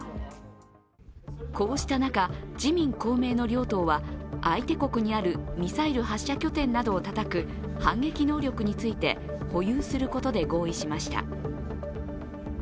こうした中、自民・公明の両党は相手国にあるミサイル発射拠点などをたたく反撃能力について保有することで合意しました。